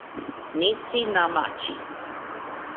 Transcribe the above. Nitesie na machi.